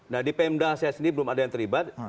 nah di pmdah saya sendiri belum ada yang terlibat